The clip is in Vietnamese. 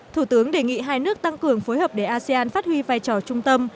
thủ tướng đề nghị hai nước tăng cường phối hợp để asean phát huy vai trò trung tâm